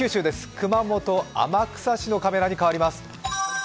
熊本・天草市のカメラに変わります